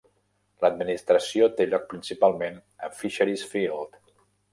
L'administració té lloc principalment a Fisheries Field.